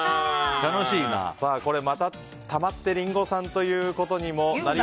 また、たまってリンゴさんということにも。